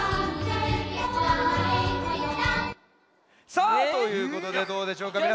さあということでどうでしょうかみなさん。